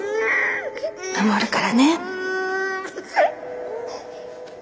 守るからね。